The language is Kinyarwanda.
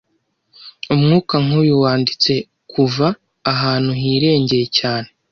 Umwuka nkuyu wanditse kuva ahantu hirengeye cyane,